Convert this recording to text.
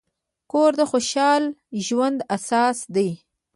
کور د خوشحال ژوند اساس دی.